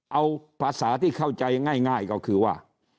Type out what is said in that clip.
เอาภาษาที่เข้าใจง่ายก็คือว่า